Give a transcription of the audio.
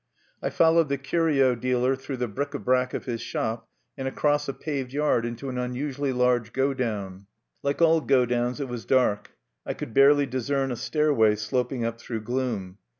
I followed the curio dealer through the bric a brac of his shop, and across a paved yard into an unusually large go down(1). Like all go downs it was dark: I could barely discern a stairway sloping up through gloom.